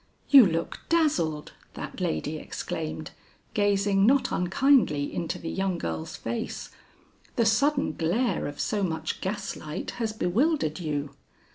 "You look dazzled," that lady exclaimed, gazing not unkindly into the young girl's face; "the sudden glare of so much gas light has bewildered you."